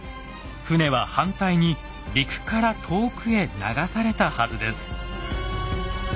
船は反対に陸から遠くへ流されたはずです。